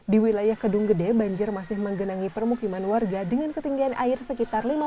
di wilayah kedung gede banjir masih menggenangi permukiman warga dengan ketinggian air sekitar lima puluh hingga tujuh puluh cm